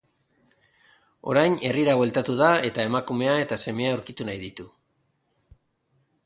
Orain herrira bueltatu da eta emakumea eta semea aurkitu nahi ditu.